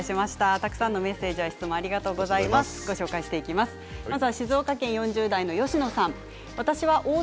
たくさんのメッセージ、質問ありがとうございます。